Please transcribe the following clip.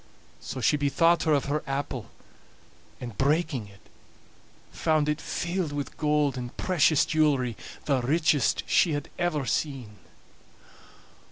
So she bethought her of her apple, and breaking it, found it filled with gold and precious jewelry, the richest she had ever seen.